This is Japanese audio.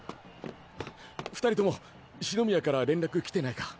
２人とも四宮から連絡来てないか？